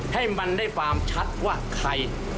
ให้มันได้ความชัดว่าใคร